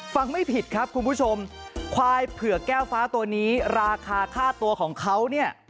ไม่ผิดครับคุณผู้ชมควายเผือกแก้วฟ้าตัวนี้ราคาค่าตัวของเขาเนี่ย